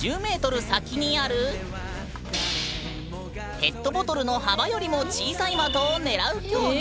ペットボトルの幅よりも小さい的を狙う競技。